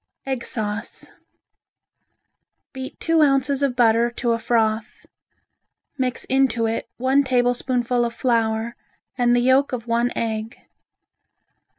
Egg Sauce Beat two ounces of butter to a froth. Mix into it one tablespoonful of flour and the yolk of one egg.